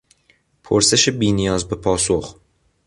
پرسش بی نیاز به پاسخ